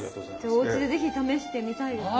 おうちで是非試してみたいですね。